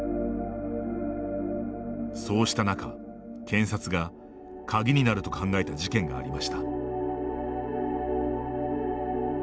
そうした中、検察が鍵になると考えた事件がありました。